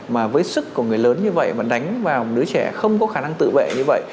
mà với sức của người lớn như vậy mà đánh vào đứa trẻ không có khả năng tự vệ như vậy